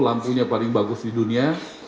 lampunya paling bagus di dunia